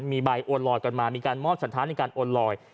มีใบโอนลอยต์ก่อนมามีการมอบสันธานในการโอนลอยต์